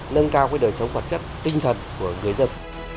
nâng cao đời sống vật chất tinh thần của người dân